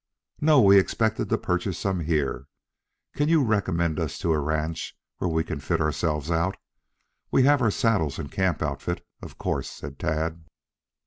"No; we expect to purchase some here. Can you recommend us to a ranch where we can fit ourselves out? We have our saddles and camp outfit, of course," said Tad.